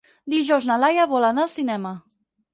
Dijous na Laia vol anar al cinema.